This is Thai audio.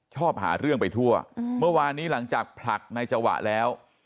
ชอบหาเรื่องไปทั่วเมื่อวานนี้หลังจากผลักในจังหวะแล้ว